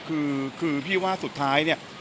คงไม่อะครับคือพี่ว่าสุดท้ายเนี่ย